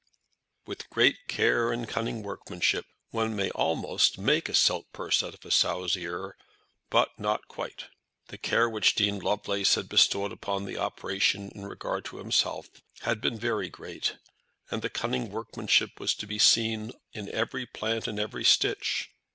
With great care and cunning workmanship one may almost make a silk purse out of a sow's ear, but not quite. The care which Dean Lovelace had bestowed upon the operation in regard to himself had been very great, and the cunning workmanship was to be seen in every plait and every stitch.